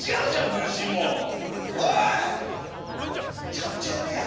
ちゃんとやれや。